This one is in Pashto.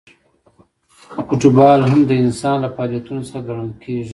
فوټبال هم د انسان له فعالیتونو څخه ګڼل کیږي.